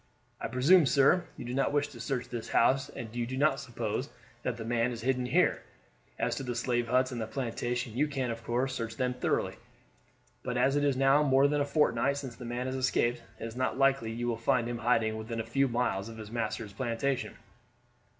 I presume, sir, you do not wish to search this house, and you do not suppose that the man is hidden here. As to the slave huts and the plantation, you can, of course, search them thoroughly; but as it is now more than a fortnight since the man escaped, it is not likely you will find him hiding within a few miles of his master's plantation."